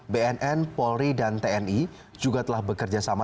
bnn polri dan tni juga telah bekerjasama